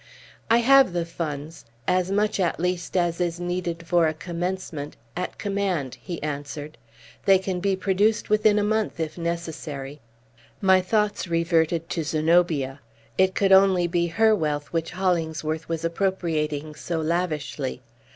"I have the funds as much, at least, as is needed for a commencement at command," he answered. "They can be produced within a month, if necessary." My thoughts reverted to Zenobia. It could only be her wealth which Hollingsworth was appropriating so lavishly.